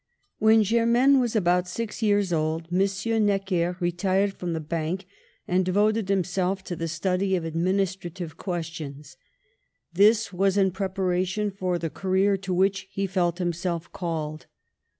When Germaine was about six years old, M. Necker retired from the bank, and devoted him self to the study of administrative questions. This was in preparation for the career to which he felt himself called.